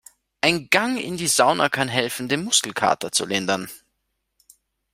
Ein Gang in die Sauna kann helfen, den Muskelkater zu lindern.